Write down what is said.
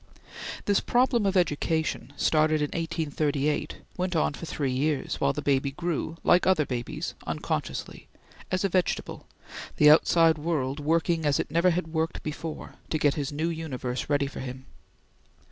This problem of education, started in 1838, went on for three years, while the baby grew, like other babies, unconsciously, as a vegetable, the outside world working as it never had worked before, to get his new universe ready for him.